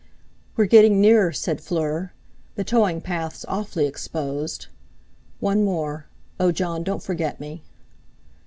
"We're getting near," said Fleur; "the towing path's awfully exposed. One more! Oh! Jon, don't forget me."